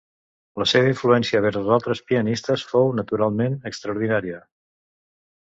La seva influència vers els altres pianistes fou naturalment extraordinària.